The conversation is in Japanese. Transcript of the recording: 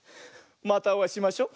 またおあいしましょ。